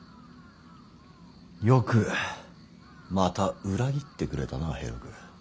よくまた裏切ってくれたな平六。